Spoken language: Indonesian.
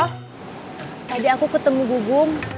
tadi aku ketemu gugum